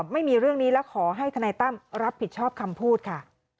ไม่มีเรื่องนี้และขอให้ทนายตั้มรับผิดชอบคำพูดค่ะ